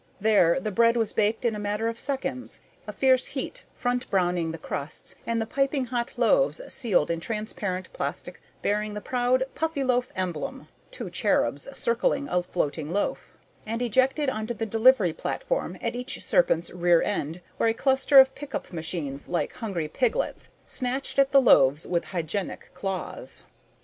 There the bread was baked in a matter of seconds, a fierce heat front browning the crusts, and the piping hot loaves sealed in transparent plastic bearing the proud Puffyloaf emblem (two cherubs circling a floating loaf) and ejected onto the delivery platform at each serpent's rear end, where a cluster of pickup machines, like hungry piglets, snatched at the loaves with hygienic claws.